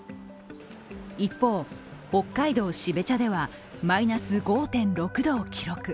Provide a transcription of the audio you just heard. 一方、北海道標茶ではマイナス５．６度を記録。